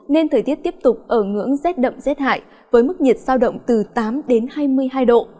nên thời tiết tiếp tục ở ngưỡng rét đậm rét hại với mức nhiệt sao động từ tám hai mươi hai độ